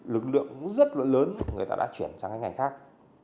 lực lượng cũng rất là lớn người ta đã chuyển sang cái ngành khác